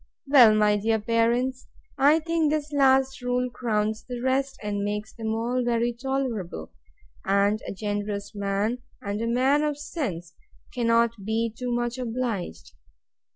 Well, my dear parents, I think this last rule crowns the rest, and makes them all very tolerable; and a generous man, and a man of sense, cannot be too much obliged.